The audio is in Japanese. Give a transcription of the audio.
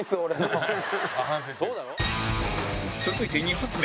続いて２発目